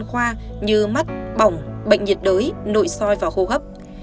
bệnh nhân được hội trần khoa như mắt bỏng bệnh nhiệt đới nội soi và hô hấp